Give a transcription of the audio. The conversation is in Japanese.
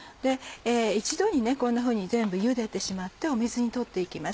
一度にこんなふうに全部ゆでてしまって水に取って行きます。